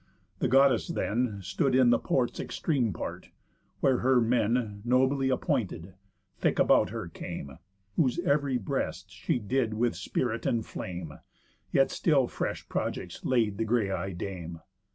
The Goddess then Stood in the port's extreme part, where her men, Nobly appointed, thick about her came, Whose ev'ry breast she did with spirit enflame. Yet still fresh projects laid the grey eyed Dame.